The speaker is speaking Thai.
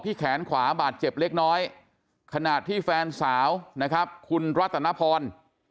แขนขวาบาดเจ็บเล็กน้อยขณะที่แฟนสาวนะครับคุณรัตนพร